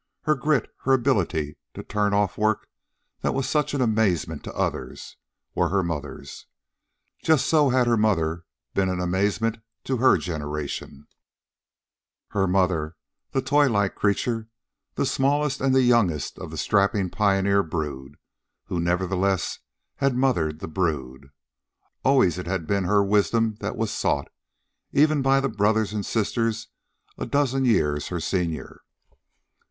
Her grit, her ability to turn off work that was such an amazement to others, were her mother's. Just so had her mother been an amazement to her generation her mother, the toy like creature, the smallest and the youngest of the strapping pioneer brood, who nevertheless had mothered the brood. Always it had been her wisdom that was sought, even by the brothers and sisters a dozen years her senior.